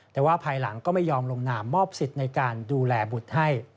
แต่ว่าภายหลังก็ไม่ยอมลงนามมอบสิทธิ์ในการดูแลบุตรให้